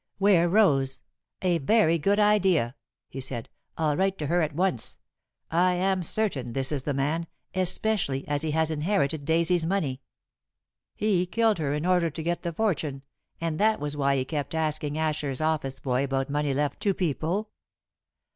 Ware rose. "A very good idea," he said. "I'll write to her at once. I am certain this is the man, especially as he has inherited Daisy's money. He killed her in order to get the fortune, and that was why he kept asking Asher's office boy about money left to people."